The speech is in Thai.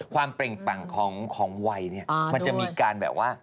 ความเป็นปั่งของวัยมันจะมีการแบบว่า